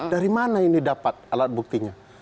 dari mana ini dapat alat buktinya